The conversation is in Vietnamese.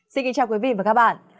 xin kính chào quý vị và các bạn